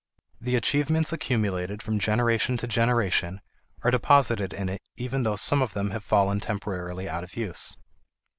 The achievements accumulated from generation to generation are deposited in it even though some of them have fallen temporarily out of use.